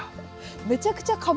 めちゃくちゃカブ。